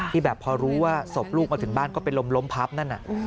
แบบพอรู้ว่าศพลูกมาถึงบ้านก็ไปลมพับนั่น